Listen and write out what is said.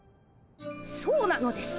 そうなのです。